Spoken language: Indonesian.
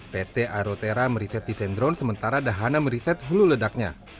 pt aerotera meriset desain drone sementara dahana meriset hulu ledaknya